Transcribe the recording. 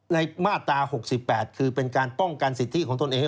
มาตรา๖๘คือเป็นการป้องกันสิทธิของตนเอง